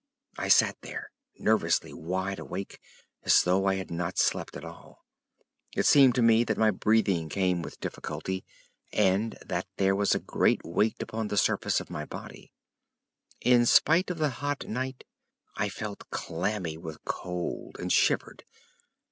I sat there nervously wide awake as though I had not slept at all. It seemed to me that my breathing came with difficulty, and that there was a great weight upon the surface of my body. In spite of the hot night, I felt clammy with cold and shivered.